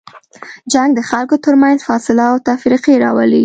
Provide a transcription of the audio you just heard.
جنګ د خلکو تر منځ فاصله او تفرقې راولي.